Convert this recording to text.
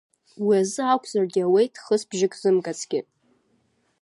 Уиазы акәзаргьы ауеит хысбжьык зымгацгьы.